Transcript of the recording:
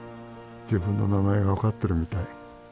自分の名前が分かってるみたい。